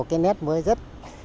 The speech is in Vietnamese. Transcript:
cái nét mới rất